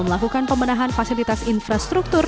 melakukan pembenahan fasilitas infrastruktur